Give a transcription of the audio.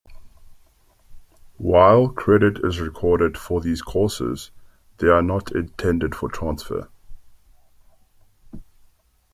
While credit is recorded for these courses, they are not intended for transfer.